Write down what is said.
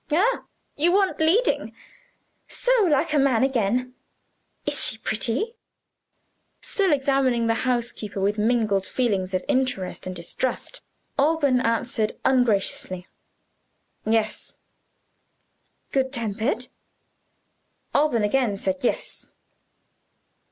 Ah, you want leading. So like a man again! Is she pretty?" Still examining the housekeeper with mingled feelings of interest and distrust, Alban answered ungraciously: "Yes." "Good tempered?" Alban again said "Yes."